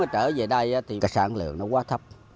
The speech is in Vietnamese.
hai nghìn một mươi bốn trở về đây thì sản lượng quá thấp